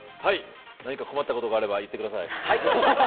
何か困ったことがあれば言ってください。